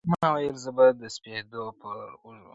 ماویل زه به د سپېدو پر اوږو٫